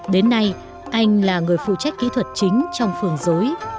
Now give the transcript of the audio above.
đến nay anh là người phụ trách kỹ thuật chính trong phường dối